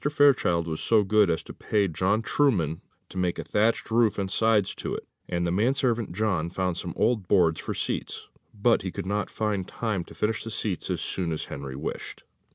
Fairchild was so good as to pay John Trueman to make a thatched roof and sides to it, and the man servant John found some old boards for seats; but he could not find time to finish the seats as soon as Henry wished.